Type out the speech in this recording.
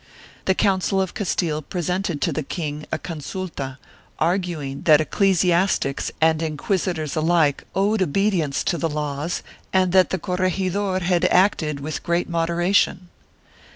The Council of Castile presented to the king a consulta, arguing that ecclesiastics and inquisitors alike owed obedience to the laws and that the corregi dor had acted with great moderation.